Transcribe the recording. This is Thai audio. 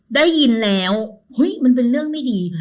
ได้ยินแล้วเฮ้ยมันเป็นเรื่องไม่ดี